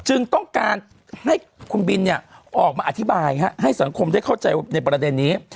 จึงต้องการให้คุณบินออกมาอธิบายให้สังคมได้เข้าใจในประเด็นนี้